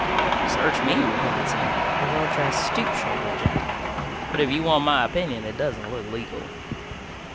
"Search me," replied Sam, a well dressed, stoop shouldered gent, "but if you want my opinion it doesn't look legal."